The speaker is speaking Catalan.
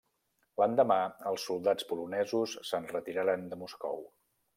L'endemà, els soldats polonesos se'n retiraren de Moscou.